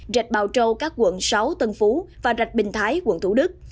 rạch bào trâu các quận sáu tân phú và rạch bình thái quận thủ đức